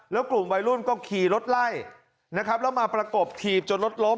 แล้วกลุ่มวัยรุ่นก็ขี่รถไล่นะครับแล้วมาประกบถีบจนรถล้ม